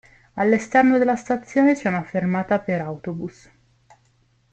All'esterno della stazione c'è una fermata per autobus.